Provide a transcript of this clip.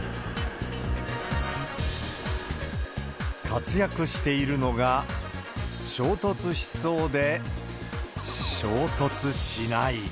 活躍しているのが、衝突しそうで、衝突しない。